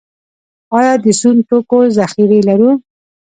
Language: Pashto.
آیا د سون توکو ذخیرې لرو؟